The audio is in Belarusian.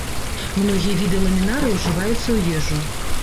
Многія віды ламінарыі ўжываюцца ў ежу.